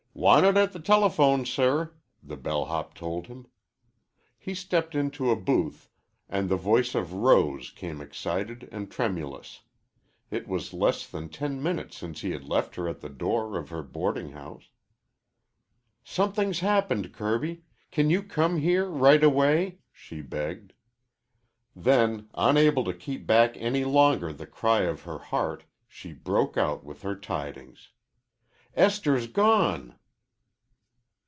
"Wanted at the telephone, sir," the bell hop told him. He stepped into a booth and the voice of Rose came excited and tremulous. It was less than ten minutes since he had left her at the door of her boarding house. "Something's happened, Kirby. Can you come here right away?" she begged. Then, unable to keep back any longer the cry of her heart, she broke out with her tidings. "Esther's gone."